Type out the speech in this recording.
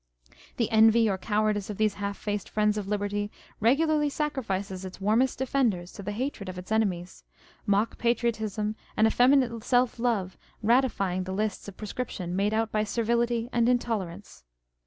The envy or cowardice of these half faced friends of liberty regularly sacrifices its warmest defenders to the hatred of its enemies â€" mock patriotism and effeminate self love rati fying the lists of proscription made out by servility and intolerance.